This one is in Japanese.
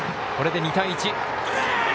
これで２対１。